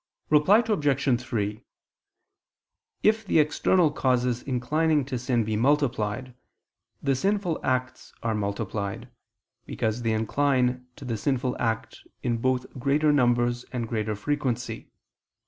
Reply Obj. 3: If the external causes inclining to sin be multiplied, the sinful acts are multiplied, because they incline to the sinful act in both greater numbers and greater frequency.